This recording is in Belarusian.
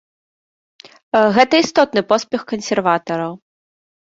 Гэта істотны поспех кансерватараў.